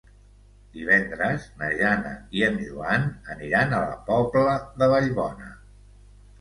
Divendres na Jana i en Joan aniran a la Pobla de Vallbona.